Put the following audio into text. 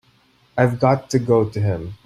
I've got to go to him.